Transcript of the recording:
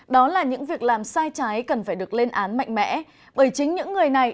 đó là những việc làm sai trái cần phải được lên án mạnh mẽ bởi chính những người này